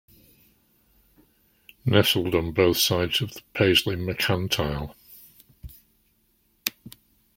Nestled on both sides of the Paisley Mercantile.